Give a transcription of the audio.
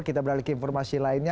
kita beralih ke informasi lainnya